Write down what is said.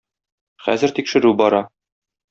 Хәзер тикшерү бара.